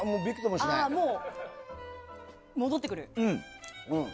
もう、戻ってくる？